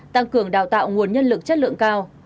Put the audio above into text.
tăng cường đào tạo nguồn nhân lực chất lượng cao